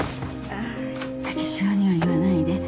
武四郎には言わないで